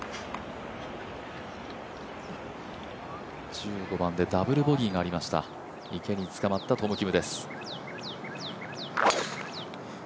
１５番でダブルボギーがありました池に捕まったトム・キムです。